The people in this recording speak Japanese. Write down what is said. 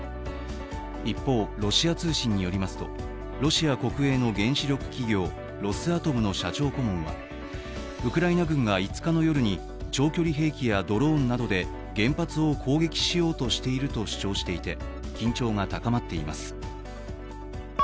一方、ロシア通信によりますと、ロシア国営の原子力企業ロスアトムの社長顧問はウクライナ軍が５日の夜に長距離兵器やドローンなどで原発を攻撃しようとしていると主張していて、緊張が高まっています。